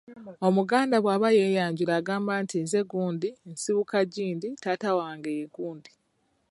Omuganda bw’aba yeeyanjula agamba nti nze gundi, nsibuka gindi, taata wange ye gundi.